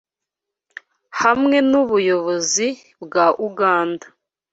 hamwe n’ubuyobozi bwa Uganda.